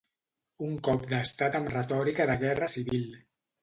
Un cop d'estat amb retòrica de guerra civil